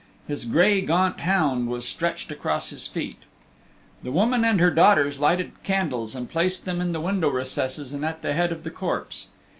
His gray gaunt hound was stretched across his feet. The woman and her daughters lighted candles and placed them in the window recesses and at the head of the corpse.